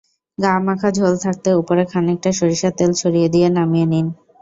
গা-মাখা ঝোল থাকতে ওপরে খানিকটা সরিষার তেল ছড়িয়ে দিয়ে নামিয়ে নিন।